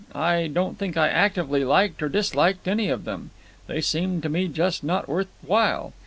I don't think I actively liked or disliked any of them. They seemed to me just not worth while.